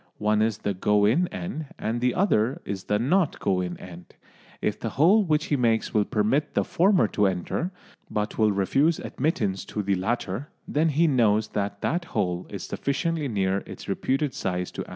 One is the "go in" end, the other the "not go in" end. If the hole which he makes will permit the former to enter, but will refuse admittance to the latter, then he knows that that hole is sufficiently near its reputed size to answer its purpose.